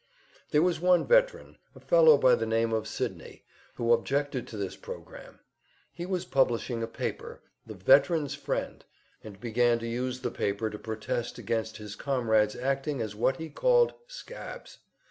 There was one veteran, a fellow by the name of Sydney, who objected to this program. He was publishing a paper, the "Veteran's Friend," and began to use the paper to protest against his comrades acting as what he called "scabs."